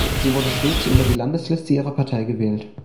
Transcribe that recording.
Sie wurde stets über die Landesliste ihrer Partei gewählt.